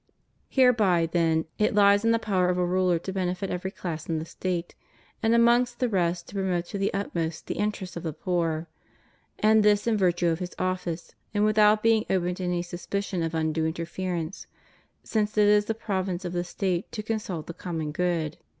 Hereby, then, it Hes in the power of a ruler to benefit every class in the State, and amongst the rest to promote to the utmost the interests of the poor; and this in virtue of his office, and without being open to any suspicion of undue interference — since it is the prov ince of the State to consult the common good.